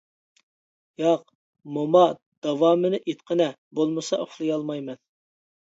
-ياق، موما داۋامىنى ئېيتقىنە، بولمىسا ئۇخلىيالمايمەن.